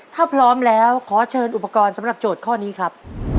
ถ้าพร้อมแล้วขอเชิญอุปกรณ์สำหรับโจทย์ข้อนี้ครับ